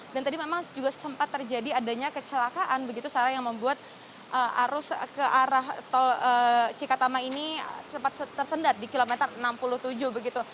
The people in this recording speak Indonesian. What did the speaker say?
dan tadi memang juga sempat terjadi adanya kecelakaan begitu sarah yang membuat arus ke arah tol cikatama ini cepat tersendat di kilometer enam puluh tujuh begitu